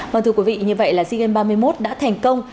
vâng thưa quý vị như vậy là sea games ba mươi một đã thành công